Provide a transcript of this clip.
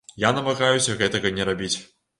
Я намагаюся гэтага не рабіць.